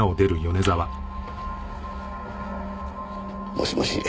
もしもし。